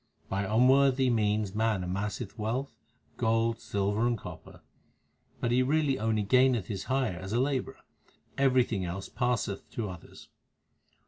By unworthy means man amasseth wealth, gold, silver, and copper ; But he really only gaineth his hire as a labourer ; everything else passeth to others.